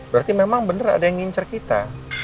berarti memang benar ada yang ngincer kita